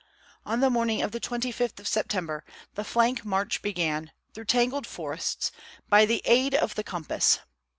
On the morning of the 25th of September the flank march began, through tangled forests, by the aid of the compass.